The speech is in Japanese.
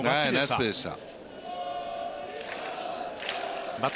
ナイスプレーでした。